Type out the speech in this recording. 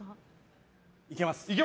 いけます。